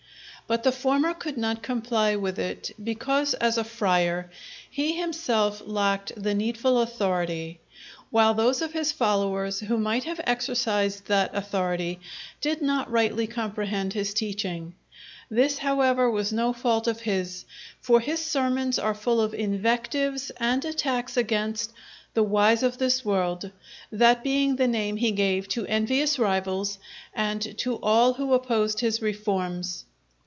But the former could not comply with it, because, as a friar, he himself lacked the needful authority; while those of his followers who might have exercised that authority, did not rightly comprehend his teaching. This, however, was no fault of his; for his sermons are full of invectives and attacks against "the wise of this world," that being the name he gave to envious rivals and to all who opposed his reforms.